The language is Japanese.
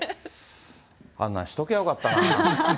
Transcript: あんなのしときゃよかったな。